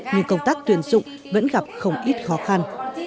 nhưng công tác tuyển dụng vẫn gặp không ít khó khăn